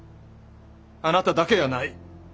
あなただけやない！